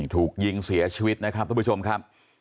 ถูกยิงเสียชีวิตนะครับทุกผู้ชมครับ